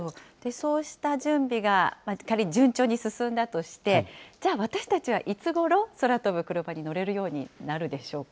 そうした準備が仮に順調に進んだとして、じゃあ私たちはいつごろ、空飛ぶクルマに乗れるようになるでしょうか。